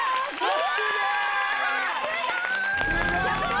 すごーい！